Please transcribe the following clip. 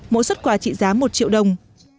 mỗi xuất quà trị giá một triệu đồng